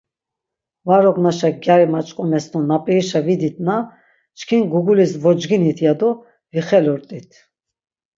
Var ognaşa gyari maç̌ǩomes do nap̌irişa viditna çkin gugulis vocginit ya do vixelurt̆it.